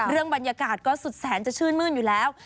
บรรยากาศก็สุดแสนจะชื่นมื้นอยู่แล้ว